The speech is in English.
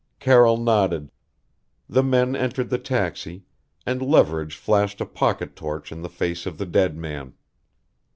Carroll nodded. The men entered the taxi, and Leverage flashed a pocket torch in the face of the dead man.